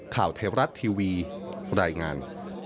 ข่าวเทราะห์ทีวีรายงาน